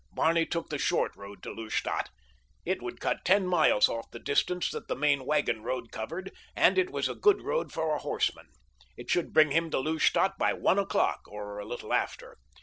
Barney took the short road to Lustadt. It would cut ten miles off the distance that the main wagonroad covered, and it was a good road for a horseman. It should bring him to Lustadt by one o'clock or a little after.